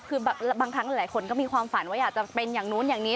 คือบางครั้งหลายคนก็มีความฝันว่าอยากจะเป็นอย่างนู้นอย่างนี้